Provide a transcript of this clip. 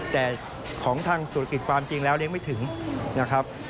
แต่ของทางเศรษฐกิจความจริงแล้วเลี้ยงไม่ถึงนะครับ